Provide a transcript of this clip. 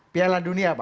piala dunia pak